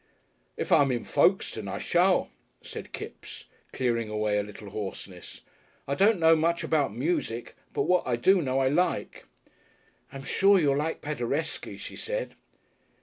"If I'm in Folkestone I shall," said Kipps, clearing away a little hoarseness. "I don't know much about music, but what I do know I like." "I'm sure you'll like Paderewski," she said.